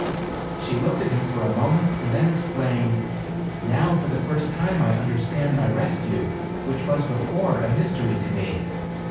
She looked at him for a moment and then ex claimed, "Now, for the first time, I understand my rescue, which was before a mystery to me.